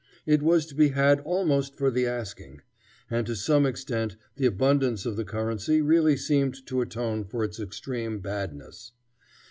It was to be had almost for the asking. And to some extent the abundance of the currency really seemed to atone for its extreme badness.